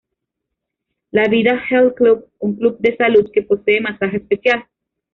La Vida Health Club: Un club de salud, que posee masaje especial.